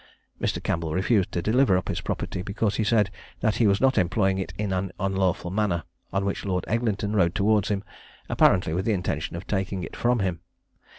Mr. Campbell refused to deliver up his property, because he said that he was not employing it in an unlawful manner, on which Lord Eglinton rode towards him, apparently with the intention of taking it from him.